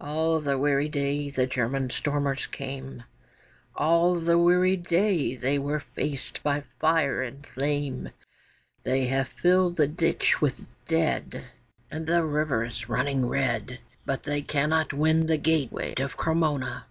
All the weary day the German stormers came, All the weary day they were faced by fire and flame, They have filled the ditch with dead, And the river's running red; But they cannot win the gateway of Cremona.